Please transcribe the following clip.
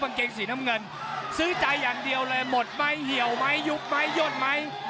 เกงสีน้ำเงินซื้อใจอย่างเดียวเลยหมดไหมเหี่ยวไหมยุบไหมยดไหม